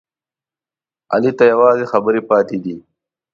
علي ته یوازې خبرې پاتې دي.